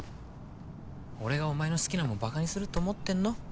俺がお前の好きなもんバカにすると思ってんの？